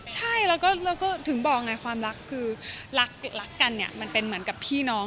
ใช่แล้วก็ถึงบอกไงความรักคือรักกันเนี่ยมันเป็นเหมือนกับพี่น้อง